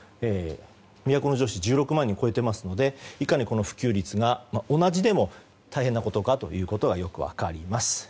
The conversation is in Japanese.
都城市１６万人を超えていますのでいかに普及率が同じでも大変なことかということがよく分かります。